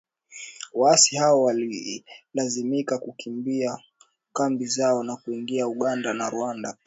Waasi hao walilazimika kukimbia kambi zao na kuingia Uganda na Rwanda.